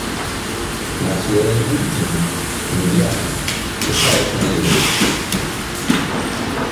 Nació en Whiting, Indiana, Estados Unidos.